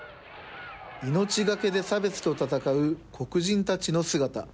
命がけで差別と戦う黒人たちの姿。